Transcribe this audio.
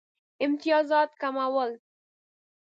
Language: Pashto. امتیازات کمول.